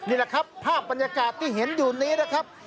นี่แหละครับภาพบรรยากาศที่เห็นอยู่นี้นะครับ